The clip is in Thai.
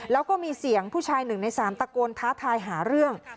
แล้วก็มีเสียงผู้ชาย๑ใน๓ตะโกนท้าทายหาเรื่อง